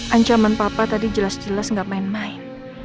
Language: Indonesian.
ancaman papa tadi jelas jelas nggak main main